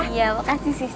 iya makasih sisi